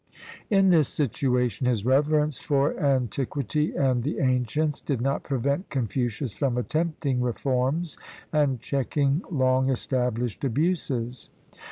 In this situation, his reverence for antiquity and the ancients did not prevent Confucius from attempting reforms and checking long estabUshed abuses.